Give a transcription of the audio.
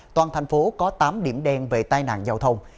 toàn thành phố có tám điểm đen về tai nạn giao thông